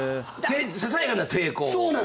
ささやかな抵抗を。